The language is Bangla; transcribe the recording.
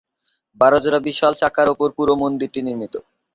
বারো জোড়া বিশাল চাকার ওপর পুরো মন্দিরটি নির্মিত।